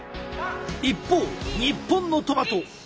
一方日本のトマト。